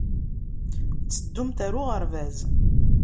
Tetteddumt ɣer uɣerbaz.